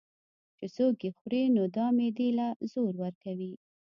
چې څوک ئې خوري نو دا معدې له زور ورکوي